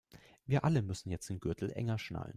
Wir alle müssen jetzt den Gürtel enger schnallen.